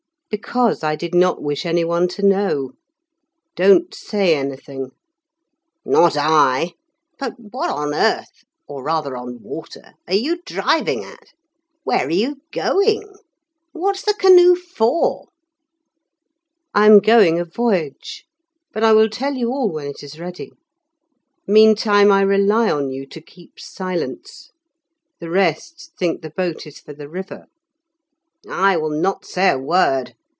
"Because I did not wish anyone to know. Don't say anything." "Not I. But what on earth, or rather, on water, are you driving at? Where are you going? What's the canoe for?" "I am going a voyage. But I will tell you all when it is ready. Meantime, I rely on you to keep silence. The rest think the boat is for the river." "I will not say a word.